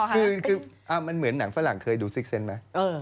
แต่ไม่หลบใช่มะ